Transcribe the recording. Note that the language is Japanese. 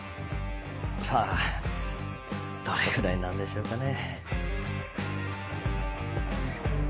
さぁどれぐらいなんでしょうかね。